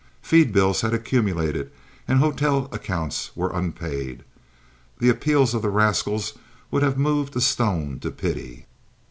Feed bills had accumulated and hotel accounts were unpaid; the appeals of the rascals would have moved a stone to pity.